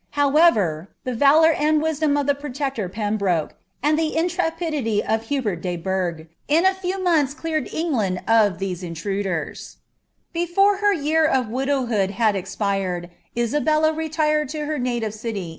(lowfTcr, the lalout and wisdom of iho protector Pembroke, and Iht in trppitlily of IluWrl di: Bur^fh, in n few mouths cleared England of ihcH! in trader*. Before her year of wiilowhood liad espiied, l«al>ella retired U) her native city.